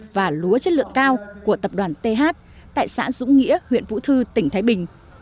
và lúa chất lượng cao của tập đoàn th tại xã dũng nghĩa huyện vũ thư tỉnh thái bình